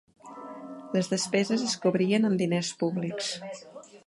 Les despeses es cobrien amb diners públics.